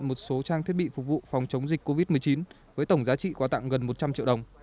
một số trang thiết bị phục vụ phòng chống dịch covid một mươi chín với tổng giá trị quá tặng gần một trăm linh triệu đồng